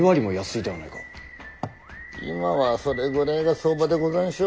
今はそれぐらいが相場でござんしょ。